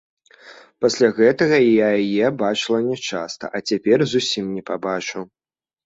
Пасля гэтага я яе бачыла нячаста, а цяпер зусім не пабачу.